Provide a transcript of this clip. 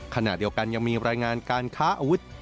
ขณะเดียวกันยังมีรายงานการค้าอาวุธ